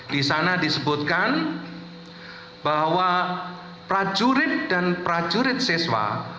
di sana disebutkan bahwa prajurit dan prajurit siswa